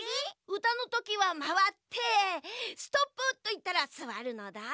うたのときはまわって「ストップ！」といったらすわるのだ。